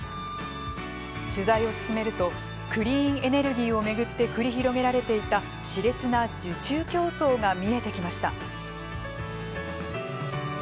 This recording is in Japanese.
取材を進めるとクリーンエネルギーを巡って繰り広げられていたしれつな受注競争が見えてきました。